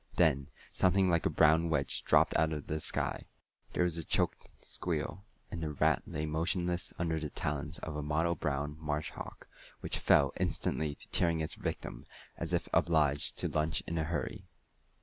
Then something like a brown wedge dropped out of the sky. There was a choked squeal, and the rat lay motionless under the talons of a mottle brown marsh hawk, which fell instantly to tearing its victim, as if obliged to lunch in a hurry.